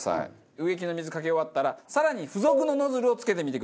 植木の水かけ終わったら更に付属のノズルをつけてみてください。